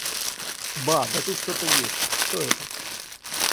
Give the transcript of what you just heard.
Ба, да тут кто-то есть. Кто это?